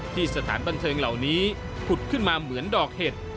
สถานบันเทิงเหล่านี้ผุดขึ้นมาเหมือนดอกเห็ด